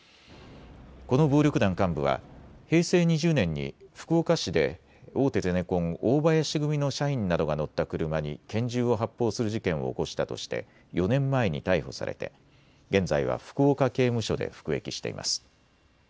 この暴力団幹部は平成２０年に福岡市で大手ゼネコン、大林組の社員などが乗った車に拳銃を発砲する事件を起こしたとして４年前に逮捕されて現在は福岡刑務所で服役しています。